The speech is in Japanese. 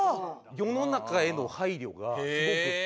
世の中への配慮がすごくって。